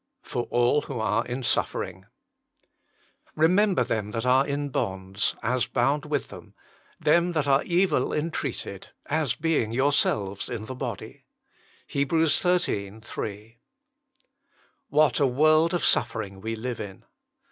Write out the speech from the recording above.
Jor all luho arc ht Buffering " Remember them that are in bonds, as hound with them ; them that are evil entreated, as being yourselves in the body." HEB. xiii. 3. What a world of suffering we live in